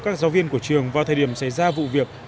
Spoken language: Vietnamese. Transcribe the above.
các giáo viên của trường vào thời điểm xảy ra vụ việc